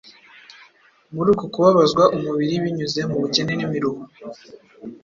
Muri uko kubabazwa umubiri binyuze mu bukene n’imiruho,